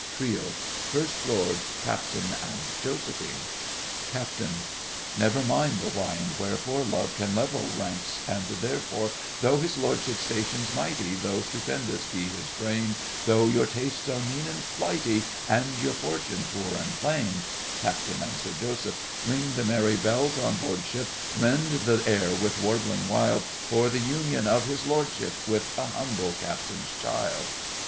TRIO FIRST LORD, CAPTAIN, and JOSEPHINE CAPT. Never mind the why and wherefore, Love can level ranks, and therefore, Though his lordship's station's mighty, Though stupendous be his brain, Though your tastes are mean and flighty And your fortune poor and plain, CAPT. and Ring the merry bells on board ship, SIR JOSEPH. Rend the air with warbling wild, For the union of { his } lordship my With a humble captain's child!